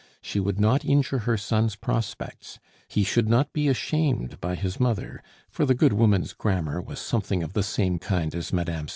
She would not injure her son's prospects; he should not be ashamed by his mother (for the good woman's grammar was something of the same kind as Mme.